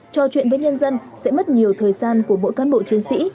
trò chuyện với nhân dân sẽ mất nhiều thời gian của mỗi cán bộ chiến sĩ